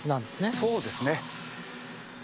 そうですね。